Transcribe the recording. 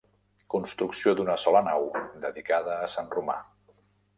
Construcció d'una sola nau dedicada a Sant Romà.